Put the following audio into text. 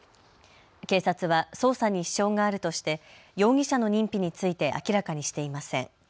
警察は捜査に支障があるとして容疑者の認否について明らかにしていません。